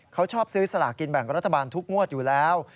เขาชอบซื้อสลากินแบ่งรัฐบาลทุกงวดอยู่แล้ว